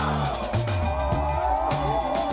ซึ่งเป็นประเพณีที่มีหนึ่งเดียวในประเทศไทยและหนึ่งเดียวในโลก